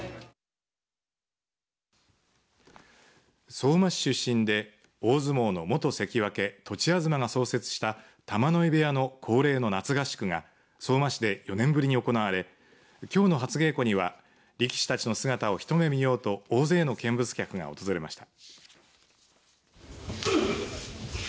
相馬市出身で大相撲の元関脇、栃東が創設した玉ノ井部屋の恒例の夏合宿が相馬市で４年ぶりに行われきょうの初稽古には力士たちの姿を一目見ようと大勢の見物客が訪れました。